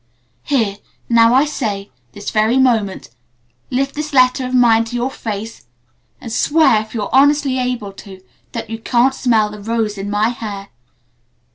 Here now, I say this very moment: Lift this letter of mine to your face, and swear if you're honestly able to that you can't smell the rose in my hair!